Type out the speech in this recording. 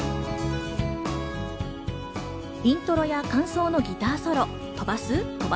イントロや間奏のギターソロ、飛ばす？